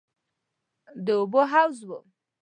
د اوبو حوض و.